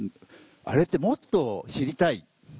あれってもっと知りたい。